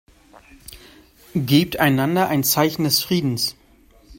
Gebt einander ein Zeichen des Friedens.